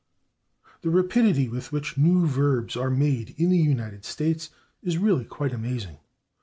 The rapidity with which new verbs are made in the United States is really quite amazing.